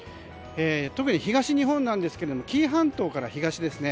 特に東日本なんですが紀伊半島から東ですね。